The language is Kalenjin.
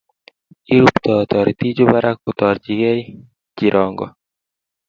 Irubtoi toritichu barak kotokchigei cherongo.